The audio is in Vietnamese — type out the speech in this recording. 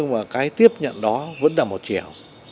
và cái tiếp nhận đó vẫn là một triệu